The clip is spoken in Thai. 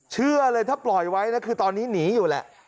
เชื่อเลยถ้าปล่อยไว้นะคือตอนนี้หนีอยู่แหละ